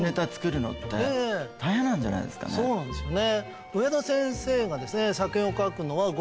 そうなんですよね。